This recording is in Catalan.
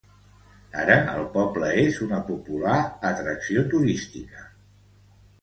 Ara, el poble és una popular atracció turística.